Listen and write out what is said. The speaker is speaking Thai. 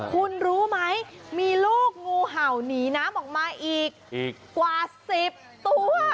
คุณรู้ไหมมีลูกงูเห่าหนีน้ำออกมาอีกกว่า๑๐ตัว